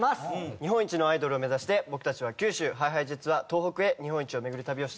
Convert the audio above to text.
日本一のアイドルを目指して僕たちは九州ＨｉＨｉＪｅｔｓは東北へ日本一を巡る旅をしてきました。